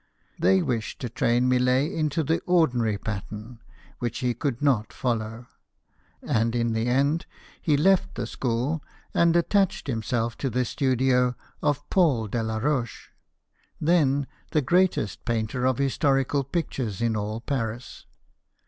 They wished to train Millet into the ordinary pattern, which he could not follow ; and in the end, he left the school, and attached himself to the studio of Paul Delaroche, then the greatest painter of historical pictures in all Paris.